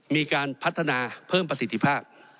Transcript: มีการพัฒนาเพิ่มประสิทธิภาพ